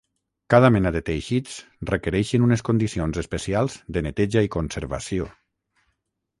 Cada mena de teixits requereixen unes condicions especials de neteja i conservació.